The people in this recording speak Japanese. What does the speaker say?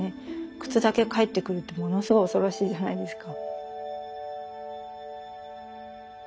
靴だけ帰ってくるってものすごい恐ろしいじゃないですか。